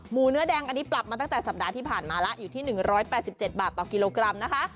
เนื้อแดงอันนี้ปรับมาตั้งแต่สัปดาห์ที่ผ่านมาแล้วอยู่ที่๑๘๗บาทต่อกิโลกรัมนะคะ